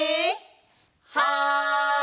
はい！